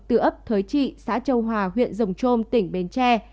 từ ấp thới trị xã châu hòa huyện rồng trôm tỉnh bến tre